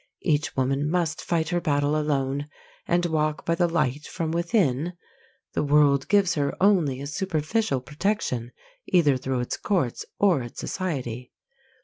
Each woman must fight her battle alone, and walk by the light from within. The world gives her only a superficial protection, either through its courts or its society.